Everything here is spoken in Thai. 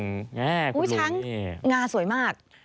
ช้างงาสวยมาก